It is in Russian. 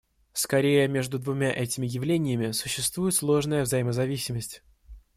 Скорее, между двумя этими явлениями существует сложная взаимозависимость.